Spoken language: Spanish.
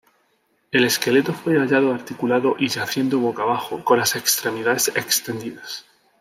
El esqueleto fue hallado articulado y yaciendo boca abajo, con las extremidades extendidas.